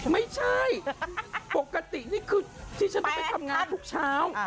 ไม่ใช่ปกตินี่คือที่ฉันจะไปทำงานทุกเช้า